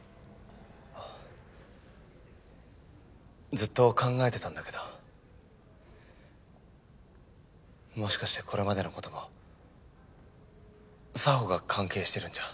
あずっと考えてたんだけどもしかしてこれまでのことも沙帆が関係してるんじゃ。